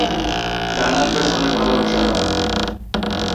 ডানার পেছনের পালক সাদা।